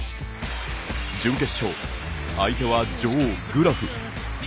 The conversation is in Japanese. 準決勝相手は女王・グラフ。